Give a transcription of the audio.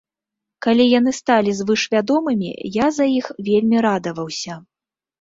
Калі яны сталі звышвядомымі, я за іх вельмі радаваўся.